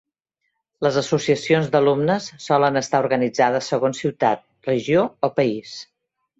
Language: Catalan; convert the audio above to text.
Les associacions d'alumnes solen estar organitzades segons ciutat, regió o país.